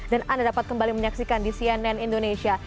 dan anda dapat kembali menyaksikan di cnn indonesia